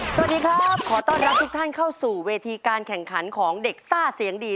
สวัสดีครับขอต้อนรับทุกท่านเข้าสู่เวทีการแข่งขันของเด็กซ่าเสียงดี